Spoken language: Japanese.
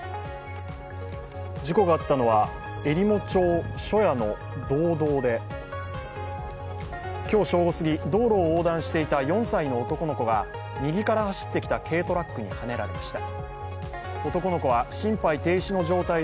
事故があったのはえりも町庶野の道道で、今日正午すぎ、道路を横断していた４歳の男の子が右から走ってきた軽トラックにはねられました。